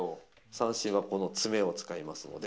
三線はこの爪を使いますので。